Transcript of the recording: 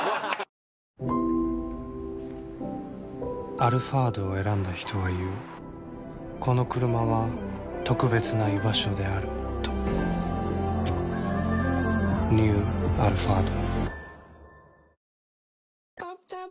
「アルファード」を選んだ人は言うこのクルマは特別な居場所であるとニュー「アルファード」